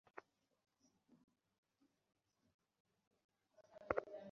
তুমি ওকে বাঁচাচ্ছ, জিম?